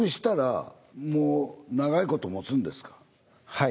はい。